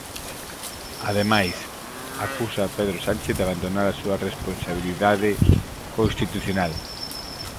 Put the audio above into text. Ademais, acusa a Pedro Sánchez de abandonar a súa responsabilidade constitucional.